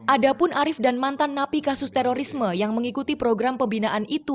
ada pun arief dan mantan napi kasus terorisme yang mengikuti program pembinaan itu